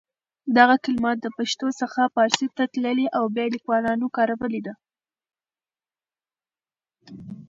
دغه کلمه له پښتو څخه پارسي ته تللې او بیا لیکوالانو کارولې ده.